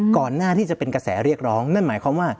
ก่อนหน้าที่จะเป็นกระแสเรียกร้องนั่นหมายความว่า